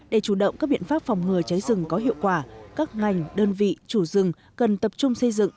để chủ động các biện pháp phòng ngừa cháy rừng có hiệu quả các ngành đơn vị chủ rừng cần tập trung xây dựng